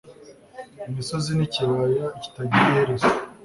Imisozi nikibaya kitagira iherezo